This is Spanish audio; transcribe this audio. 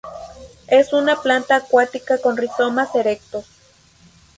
Es una planta acuática con rizomas erectos.